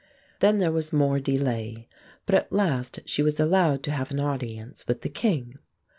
Then there was more delay; but at last she was allowed to have an audience with the king.